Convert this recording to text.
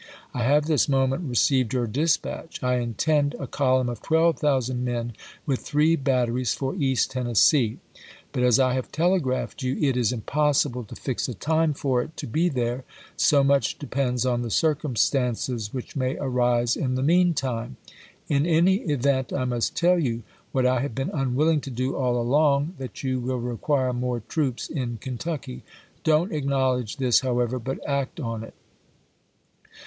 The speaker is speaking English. .. I have this moment received your dispatch. I intend a column of 12,000 men, with three batteries, for East Tennessee ; but, as I have 70 ABEAHAM LINCOLN Chap. IT. telegraphed you, it is impossible to fix a time for it to be there, so much depends on the circumstances which may arise in the mean time. .. In any event I must tell you, what I have been unwilling Mocuiiau, to do all along, that you will require more troops i36i*"*^w. R. in Kentucky. Don't acknowledge this, however, pp. 520, 521. but act on it."